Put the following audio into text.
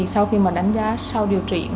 sau khi đánh giá sau điều trị